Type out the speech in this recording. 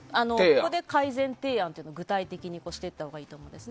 ここで改善提案というのを具体的にしていったほうがいいと思うんです。